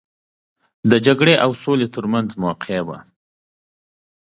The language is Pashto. د جګړې او سولې ترمنځ موکه وه.